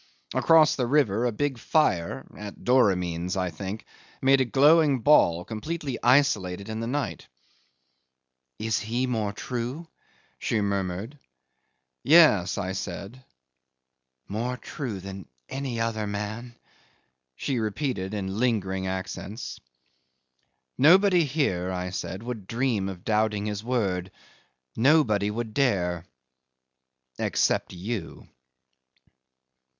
Across the river a big fire (at Doramin's, I think) made a glowing ball, completely isolated in the night. "Is he more true?" she murmured. "Yes," I said. "More true than any other man," she repeated in lingering accents. "Nobody here," I said, "would dream of doubting his word nobody would dare except you."